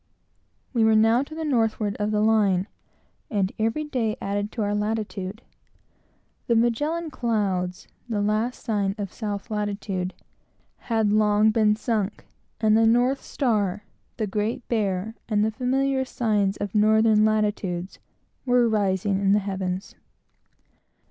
We were now to the northward of the line, and every day added to our latitude. The Magellan Clouds, the last sign of South latitude, were sunk in the horizon, and the north star, the Great Bear, and the familiar signs of northern latitudes, were rising in the heavens.